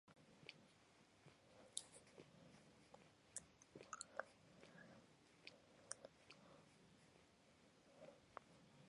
His son Pierre-Louis Curien is a noted theoretical computer scientist.